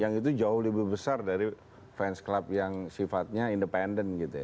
yang itu jauh lebih besar dari fans club yang sifatnya independen gitu ya